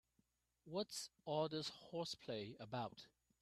What's all this horseplay about?